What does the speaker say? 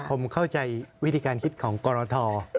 ผมเข้าใจวิธีการคิดของกรท